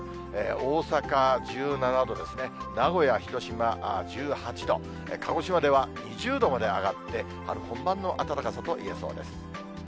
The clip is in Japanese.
大阪１７度ですね、名古屋、広島１８度、鹿児島では２０度まで上がって、春本番の暖かさといえそうです。